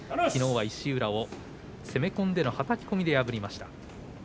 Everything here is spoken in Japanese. きのうは石浦を攻め込んでのはたき込みで破りました。